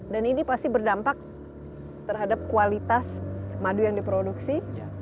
dan ini pasti berdampak terhadap kualitas madu yang diproduksi